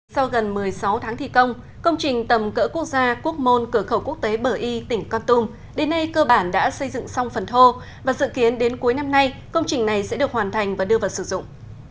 sau gần một mươi sáu tháng thi công công trình tầm cỡ quốc gia quốc môn cửa khẩu quốc tế bờ y tỉnh con tum đến nay cơ bản đã xây dựng xong phần thô và dự kiến đến cuối năm nay công trình này sẽ được hoàn thành và đưa vào sử dụng